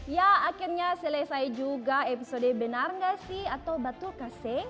ya akhirnya selesai juga episode benar nggak sih atau batu kasih